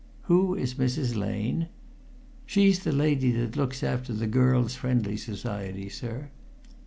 "Who is Mrs. Lane?" "She's the lady that looks after the Girls' Friendly Society, sir."